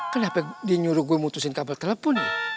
kan dia nyuruh gue mutusin kabel teleponnya